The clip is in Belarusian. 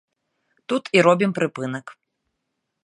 Тут і робім прыпынак.